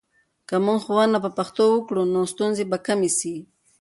که موږ ښوونه په پښتو وکړو، نو ستونزې به کمې سي.